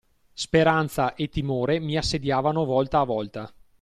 Speranza e timore mi assediavano volta a volta.